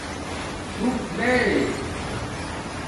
رُوک بے